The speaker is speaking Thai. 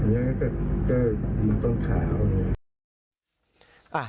อย่างนี้ก็มาต้นขาวเลย